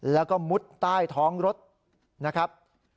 แล้วก็มุดใต้ท้องรถนะครับ